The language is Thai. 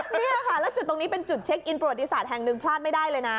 เนี้ยค่ะหลังจากตรงนี้เป็นจุดเช็กอินบริโแห่งหนึ่งพลาดไม่ได้เลยนะ